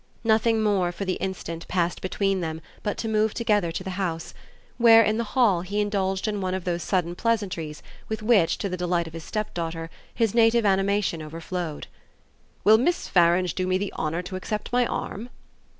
Nothing more, for the instant, passed between them but to move together to the house, where, in the hall, he indulged in one of those sudden pleasantries with which, to the delight of his stepdaughter, his native animation overflowed. "Will Miss Farange do me the honour to accept my arm?"